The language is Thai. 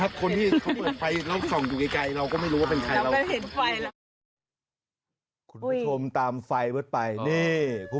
อันนี้มันทำอะไรขนาดนี้